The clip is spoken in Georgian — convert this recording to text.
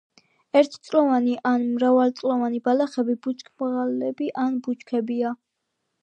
ერთწლოვანი ან მრავალწლოვანი ბალახები, ბუჩქბალახები ან ბუჩქებია.